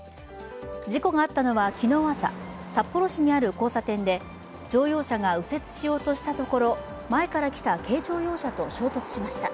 事故があったのは昨日朝札幌市にある交差点で乗用車が右折しようとしたところ前から来た軽乗用車と衝突しました。